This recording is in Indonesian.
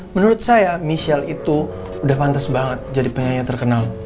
menurut saya michelle itu udah pantas banget jadi penyanyi terkenal